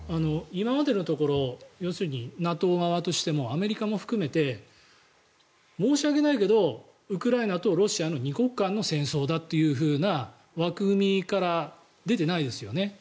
今までのところ要するにＮＡＴＯ側としてもアメリカも含めて申し訳ないけどウクライナとロシアの２国間の戦争だというふうな枠組みから出ていないですよね。